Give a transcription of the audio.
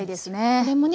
これもね